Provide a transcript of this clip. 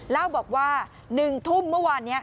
แล้วบอกว่าหนึ่งทุ่มเมื่อวานี้